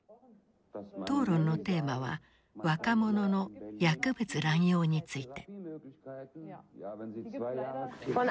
討論のテーマは若者の薬物乱用について。